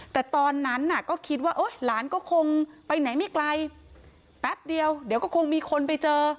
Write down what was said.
แต่ตอนนั้นน่ะก็คิดว่าหลานก็คงไปไหนไม่ไกลแป๊บเดียวเดี๋ยวก็คงมีคนไปเจอ